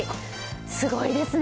すごいですね。